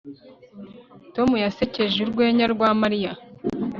Tom yasekeje urwenya rwa Mariya